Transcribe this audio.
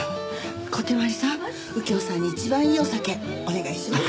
小手鞠さん右京さんに一番いいお酒お願いします。